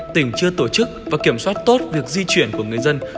tỉnh chưa tổ chức và kiểm soát tốt việc di chuyển của người dân